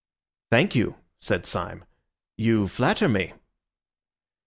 "Thank you," said Syme, "you flatter me."